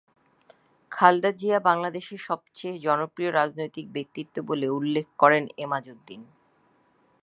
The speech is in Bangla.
খালেদা জিয়া বাংলাদেশের সবচেয়ে জনপ্রিয় রাজনৈতিক ব্যক্তিত্ব বলে উল্লেখ করেন এমাজউদ্দীন।